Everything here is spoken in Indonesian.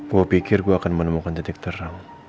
gue pikir gue akan menemukan titik terang